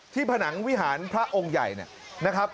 ผนังวิหารพระองค์ใหญ่นะครับ